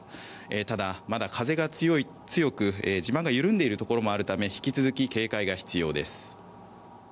ただ、まだ風が強く地盤が緩んでいるところもあるため引き続き警戒が必要です。